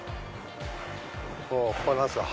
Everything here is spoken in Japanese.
ここは何すか？